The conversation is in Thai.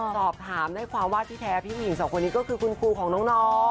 สอบถามได้ความว่าที่แท้พี่ผู้หญิงสองคนนี้ก็คือคุณครูของน้อง